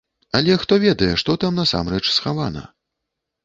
Але хто ведае што там насамрэч схавана?